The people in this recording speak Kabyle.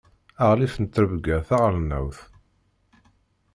Aγlif n ttṛebga taγelnawt.